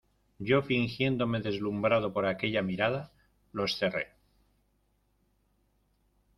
yo fingiéndome deslumbrado por aquella mirada, los cerré.